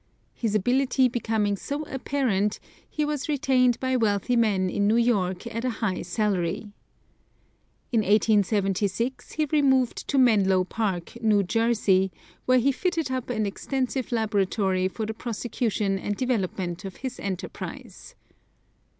His ability becoming so apparent he was retained by wealthy men in New York at a high salary. In 1876 he removed to Menlo Park, New Jersey, where he fitted up an extensive labratory for the prosecution and development of his enterprise.